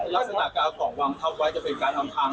แล้วสถานการณ์ของวังเท่าไว้จะเป็นการทำทาง